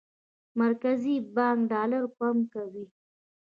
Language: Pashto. مرکزي بانک ډالر پمپ کوي.